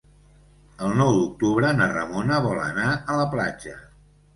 El nou d'octubre na Ramona vol anar a la platja.